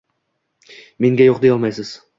Menga yo`q, deyolmaysiz